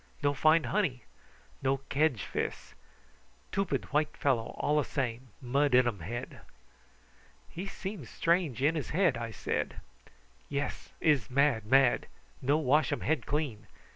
No find honey. No kedge fis. Tupid white fellow all a same, mud in um head." "He seems strange in his head," I said. "Yes. Iss mad mad. No wash um head clean.